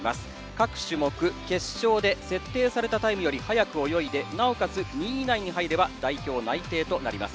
各種目、決勝で設定されたタイムより速く泳いでなおかつ２位以内に入れば代表内定となります。